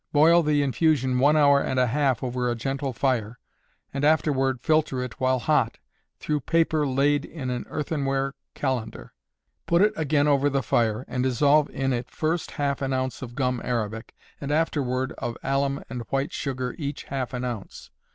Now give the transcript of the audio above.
Boil the infusion one hour and a half over a gentle fire, and afterward filter it while hot, through paper laid in an earthenware cullender. Put it again over the fire, and dissolve in it first half an ounce of gum arabic, and afterward of alum and white sugar each half an ounce.